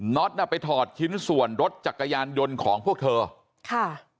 ็ตน่ะไปถอดชิ้นส่วนรถจักรยานยนต์ของพวกเธอค่ะ